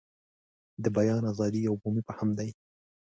د بیان ازادي یو عمومي مفهوم دی.